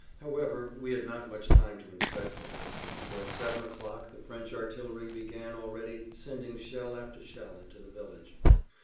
However, we had not much time to inspect things, for at seven o'clock the French artillery began already sending shell after shell into the village.